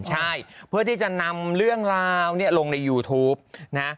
ใช่เพื่อที่จะนำเรื่องราวลงในยูทูปนะ